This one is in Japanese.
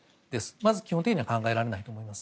まず、基本的には考えられないと思います。